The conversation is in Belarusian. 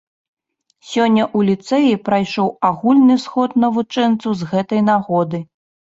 Сёння ў ліцэі прайшоў агульны сход навучэнцаў з гэтай нагоды.